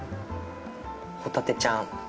ホタテちゃん。